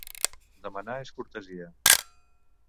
Demanar és cortesia.